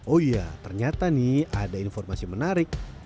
oh iya ternyata nih ada informasi menarik